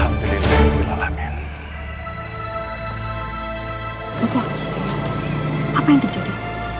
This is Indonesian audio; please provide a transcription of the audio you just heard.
apa yang terjadi